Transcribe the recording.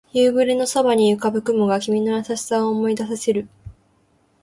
夕暮れの空に浮かぶ雲が君の優しさを思い出させる